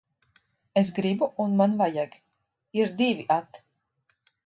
Es gribu un man vajag ir divi at